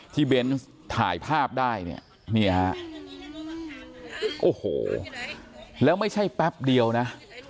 เบนส์ถ่ายภาพได้เนี่ยนี่ฮะโอ้โหแล้วไม่ใช่แป๊บเดียวนะ